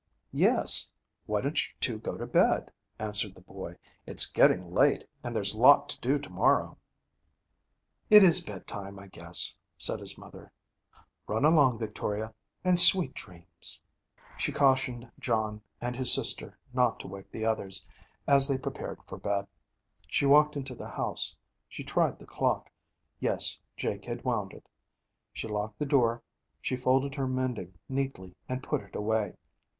'Yes. Why don't you two go to bed?' answered the boy. 'It's getting late, and there's lot to do to morrow.' 'It is bed time, I guess,' said his mother. 'Run along, Victoria. And sweet dreams.' She cautioned John and his sister not to wake the others, as they prepared for bed. She walked into the house. She tried the clock. Yes, Jake had wound it. She locked the door. She folded her mending neatly and put it away.